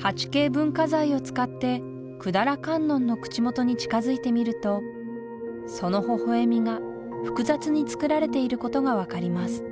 ８Ｋ文化財を使って百済観音の口元に近づいてみるとそのほほ笑みが複雑に作られていることが分かります。